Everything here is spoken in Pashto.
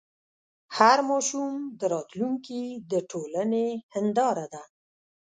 هر ماشوم د راتلونکي د ټولنې هنداره ده.